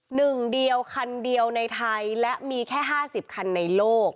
หนึ่งเดียวคันเดียวในไทยและมีแค่ห้าสิบคันในโลก